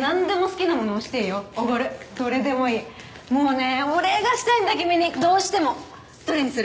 なんでも好きなもの押していいよおごるどれでもいいもうねお礼がしたいんだ君にどうしてもどれにする？